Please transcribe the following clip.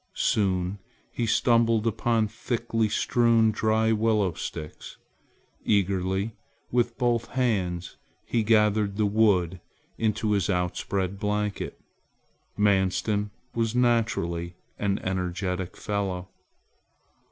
Soon he stumbled upon thickly strewn dry willow sticks. Eagerly with both hands he gathered the wood into his outspread blanket. Manstin was naturally an energetic fellow.